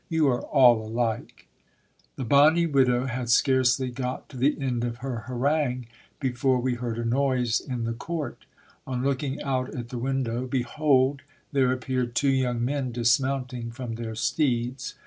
You are all alike ! The bonny widow had scarcely got to the end of her harangue, before we heard a noise in the court. On looking out at the window, behold ! there ap peared two young men dismounting from their steeds.